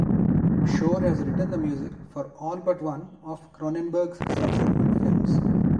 Shore has written the music for all but one of Cronenberg's subsequent films.